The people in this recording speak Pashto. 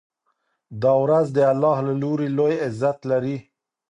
دا ورځ د الله له لوري لوی عزت لري.